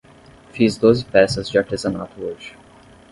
Fiz doze peças de artesanato hoje.